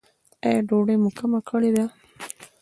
ایا ډوډۍ مو کمه کړې ده؟